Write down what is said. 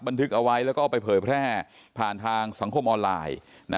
บันทึกเอาไว้แล้วก็เอาไปเผยแพร่ผ่านทางสังคมออนไลน์